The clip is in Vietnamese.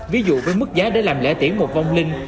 ví dụ với mức giá để làm lễ tiễn một vong linh